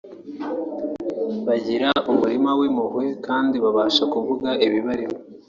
bagira umurima w’impuhwe kandi babasha kuvuga ibibarimo